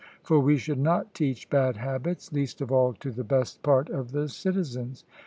For we should not teach bad habits, least of all to the best part of the citizens.